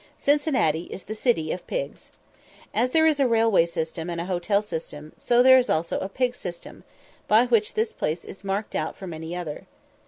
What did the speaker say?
Cincinnati is the city of pigs. As there is a railway system and a hotel system, so there is also a pig system, by which this place is marked out from any other.